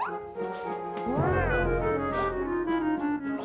kok ga ada airnya sih